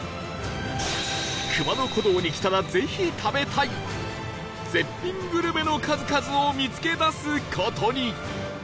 熊野古道に来たらぜひ食べたい絶品グルメの数々を見つけ出す事に